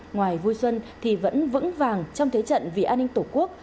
ngoài vui xuân thì vẫn vững vàng trong thế trận vì an ninh tổ quốc